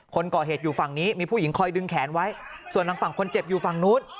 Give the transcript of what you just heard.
คนก่อเหตุอยู่ฝั่งนี้มีผู้หญิงคอยดึงแขนไว้ส่วนทางฝั่งคนเจ็บอยู่ฝั่งนู้น